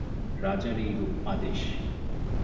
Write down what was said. রাজার এইরূপ আদেশ।